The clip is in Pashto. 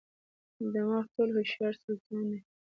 دماغ ټولو هوښیار سلطان دی.